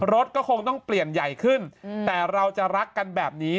รถก็คงต้องเปลี่ยนใหญ่ขึ้นแต่เราจะรักกันแบบนี้